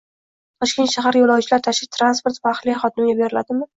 Toshkent shahar yo‘lovchilar tashish transporti Faxriy xodimiga beriladimi?